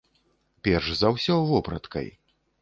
Перш за ўсё, вопраткай.